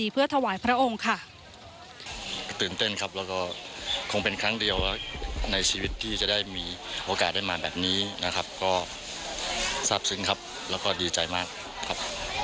เป็นครั้งเดียวในชีวิตที่จะได้มีโอกาสได้มาแบบนี้นะครับก็ทรัพย์สิ้นครับแล้วก็ดีใจมากครับ